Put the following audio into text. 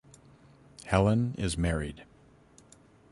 Hellen is married.